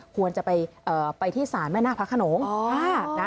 ควรจะไปที่ศาลแม่นาคพระขนง